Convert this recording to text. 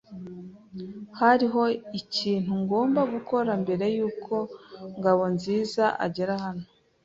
Hariho ikintu ngomba gukora mbere yuko Ngabonzizaagera hano.